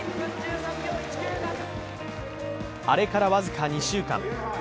あれから僅か２週間。